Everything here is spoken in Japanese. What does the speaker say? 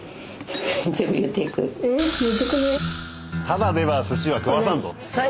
ただでは寿司は食わさんぞっつって。